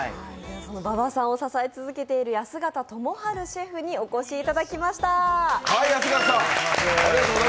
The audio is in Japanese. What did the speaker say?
馬場さんを支え続けている安形元晴シェフにお越しいただきました。